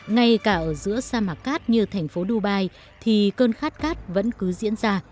ngay cả ở giữa sa mạc cát như thành phố dubai thì cơn khát cát vẫn cứ diễn ra